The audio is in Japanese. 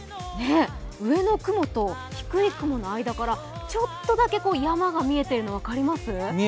上の雲と低い雲との間からちょっとだけ山が見えている分かります？